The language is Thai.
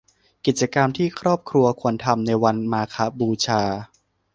กิจกรรมที่ครอบครัวควรทำในวันมาฆบูชา